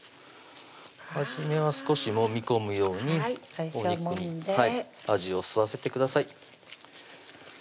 初めは少しもみ込むようにお肉に味を吸わせてください